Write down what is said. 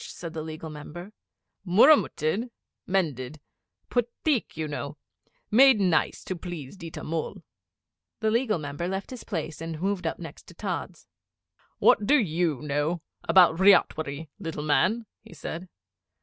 said the Legal Member. 'Murramutted mended. Put theek, you know made nice to please Ditta Mull!' The Legal Member left his place and moved up next to Tods. 'What do you know about ryotwari, little man?' he said.